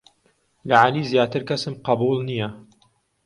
لە عەلی زیاتر کەسم قەبووڵ نییە.